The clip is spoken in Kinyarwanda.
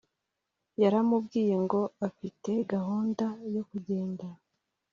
yaramubwiye ngo afite gahunda yo kugenda